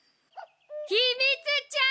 ひみつちゃーん。